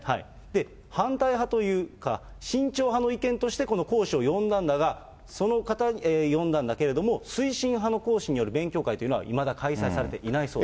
で、反対派というか、慎重派の意見として、この講師を呼んだんだが、推進派の講師による勉強会というのは、いまだ開催されていないよ